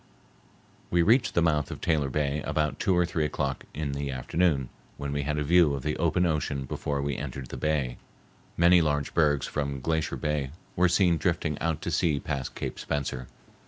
We reached the mouth of Taylor Bay about two or three o'clock in the afternoon, when we had a view of the open ocean before we entered the bay. Many large bergs from Glacier Bay were seen drifting out to sea past Cape Spencer.